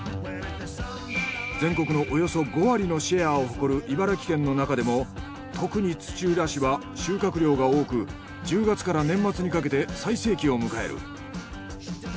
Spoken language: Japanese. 全国のおよそ５割のシェアを誇る茨城県のなかでも特に土浦市は収穫量が多く１０月から年末にかけて最盛期を迎える。